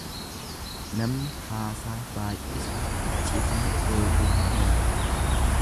Namni haasaa baay'isu iccitii eeguu hin danda'u.